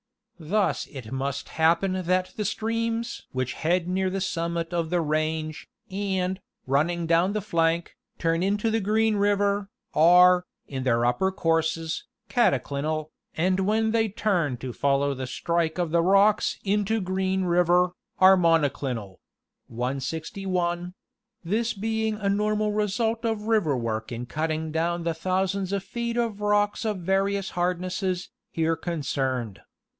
Thus it must happen that the streams "which head near the summit of the range, and, running down the flank, turn into the Green river, are, in their upper courses, cataclinal, and when they turn to follow the strike of the rocks into Green river, are monoclinal" (161) : this being a normal result of river work in cutting down the thousands of 106 National Geographic Magazine. feet of rocks of various hardnesses, here concerned.